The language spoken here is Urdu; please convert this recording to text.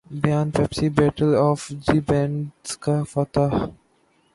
بیان Pepsi battle of the bands کا فاتح